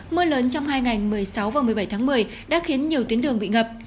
mưa lớn trong hai ngày một mươi sáu và một mươi bảy tháng một mươi đã khiến nhiều tuyến đường bị ngập